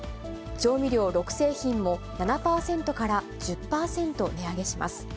調味料６製品も、７％から１０％値上げします。